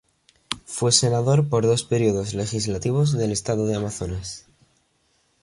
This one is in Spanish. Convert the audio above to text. Fue senador por dos periodos legislativos del estado de Amazonas.